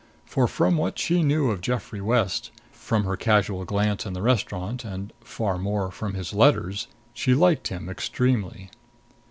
For, from what she knew of Geoffrey West, from her casual glance in the restaurant and, far more, from his letters, she liked him extremely.